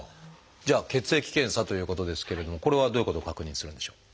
じゃあ「血液検査」ということですけれどもこれはどういうことを確認するんでしょう？